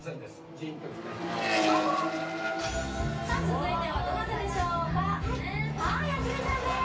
ジーンときたヒット曲スタートさあ続いてはどなたでしょうかはいはいａｓｍｉさんです